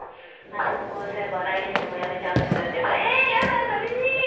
「僕そういえば来月でもう辞めちゃうんです」って言われたら「えやだ！！寂しい！！」って。